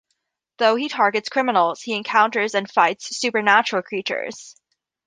Though he targets criminals, he encounters and fights supernatural creatures.